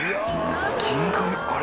あれ？